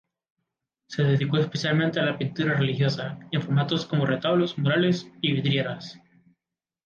Se dedicó especialmente a la pintura religiosa, en formatos como retablos, murales y vidrieras.